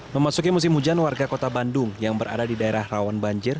memasuki musim hujan warga kota bandung yang berada di daerah rawan banjir